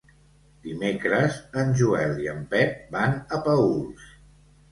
Dimecres en Joel i en Pep van a Paüls.